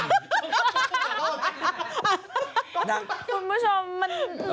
คุณผู้ชมมัน